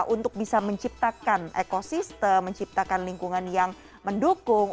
untuk bisa menciptakan ekosistem menciptakan lingkungan yang mendukung